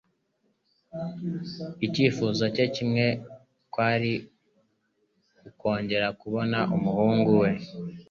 Icyifuzo cye kimwe kwari ukongera kubona umuhungu we.